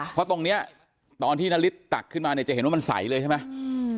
เพราะตรงเนี้ยตอนที่นาริสตักขึ้นมาเนี่ยจะเห็นว่ามันใสเลยใช่ไหม